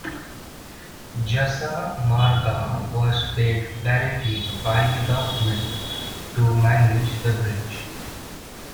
Jasa Marga was paid directly by the government to manage the bridge.